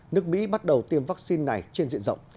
nước mỹ bắt đầu tiêm vaccine này trên diện rộng